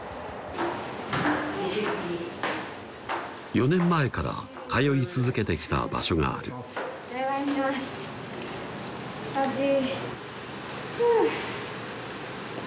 ４年前から通い続けてきた場所がある暑ぃ！